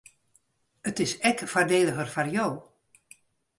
It is ek foardeliger foar jo.